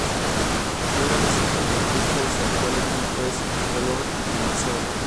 Juega de centrocampista y su actual equipo es el Apollon Limassol.